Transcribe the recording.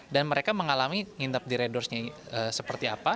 dan mereka mengalami ngintep di red doorsnya seperti apa